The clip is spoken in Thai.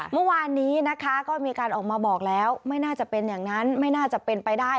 เมื่อวานนี้นะคะก็มีการออกมาบอกแล้วไม่น่าจะเป็นอย่างนั้นไม่น่าจะเป็นไปได้